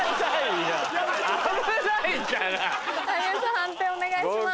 判定お願いします。